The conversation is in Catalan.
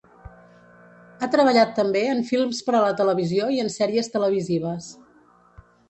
Ha treballat també en films per a la televisió i en sèries televisives.